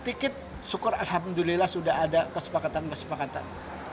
sedikit syukur alhamdulillah sudah ada kesepakatan kesepakatan